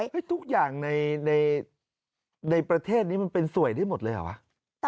ทุกอย่างในประเทศนี้มันเป็นสวยได้หมดเลยเหรอวะ